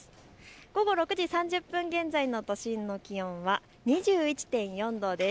午後６時３０分現在の都心の気温が２１．４度です。